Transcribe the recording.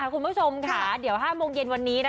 คุณผู้ชมค่ะเดี๋ยว๕โมงเย็นวันนี้